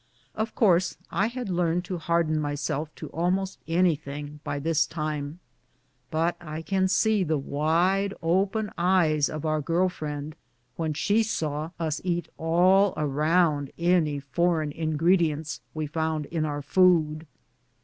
Of course I had learned to harden myself to almost any thing by this time, but I can see the wide open eyes of our girl friend when she saw us eat all around any foreign ingredients we found in our food.